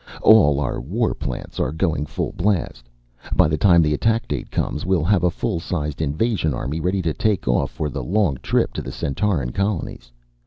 All our war plants are going full blast. By the time the attack date comes we'll have a full sized invasion army ready to take off for the long trip to the Centauran colonies.